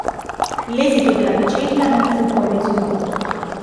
L'esito della vicenda non fu poi reso noto.